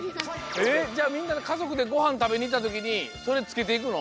じゃあみんなでかぞくでごはんたべにいったときにそれつけていくの？